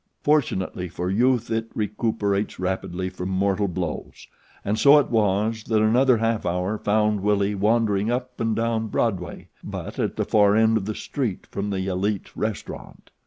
Fortunately for youth it recuperates rapidly from mortal blows, and so it was that another half hour found Willie wandering up and down Broadway but at the far end of the street from The Elite Restaurant.